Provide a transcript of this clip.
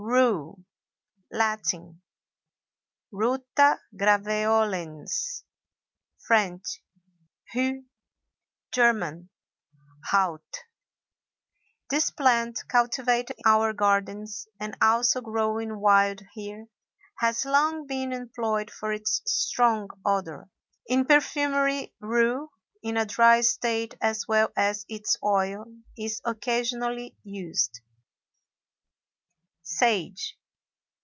RUE. Latin—Ruta graveolens; French—Rue; German—Raute. This plant, cultivated in our gardens and also growing wild here, has long been employed for its strong odor; in perfumery rue, in a dry state as well as its oil, is occasionally used. SAGE.